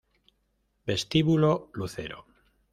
Vestíbulo Lucero